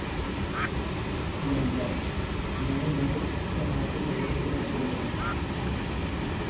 مەنبە: يېڭى دەرس ئىسلاھاتى توغرىسىدا جەۋھەر.